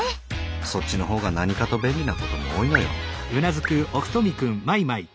そっちのほうが何かと便利なことも多いのよ。